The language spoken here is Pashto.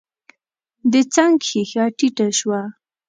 د څنګ ښېښه ټيټه شوه.